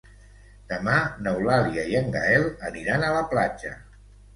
Demà n'Eulàlia i en Gaël aniran a la platja.